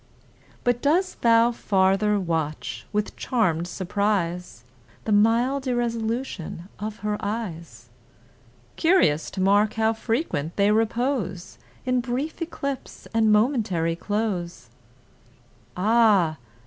But dost thou farther watch, with charm'd surprise, The mild irresolution of her eyes, Curious to mark how frequent they repose, In brief eclipse and momentary close— Ah!